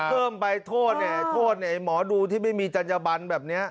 มันจะได้เพิ่มไปโทษไอ้หมอดูที่ไม่มีจรรยบรรณแบบนี้